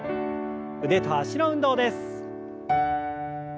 腕と脚の運動です。